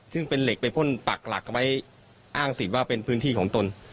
ซึ่งเป็นเหล็กไปพ่นปักหลักไว้อ้างสิทธิ์ว่าเป็นพื้นที่ของตน